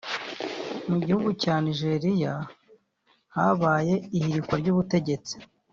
Mu gihugu cya Nigeriya habaye ihirikwa ry’ubutegetsi